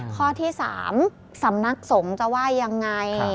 ข้อที่๓สำนักสงฆ์จะว่ายังไง